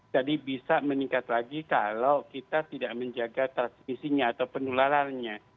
jadi bisa meningkat lagi kalau kita tidak menjaga transmisinya atau penularannya